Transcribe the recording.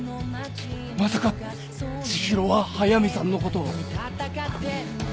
まさか知博は速見さんのこと。